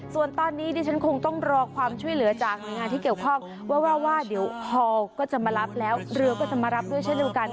ส่วนตอนนี้ดิฉันคงต้องรอความช่วยเหลือจากหน่วยงานที่เกี่ยวข้องว่าว่าเดี๋ยวฮอลก็จะมารับแล้วเรือก็จะมารับด้วยเช่นเดียวกัน